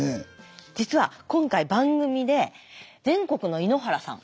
実は今回番組で全国の井ノ原さん。